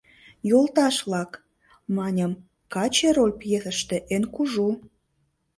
— Йолташ-влак, — маньым, — каче роль пьесыште эн кужу!